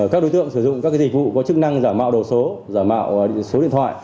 các đối tượng sử dụng các dịch vụ có chức năng giả mạo đồ số giả mạo số điện thoại